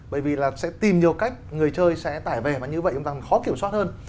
bởi vì là sẽ tìm nhiều cách người chơi sẽ tải về và như vậy chúng ta càng khó kiểm soát hơn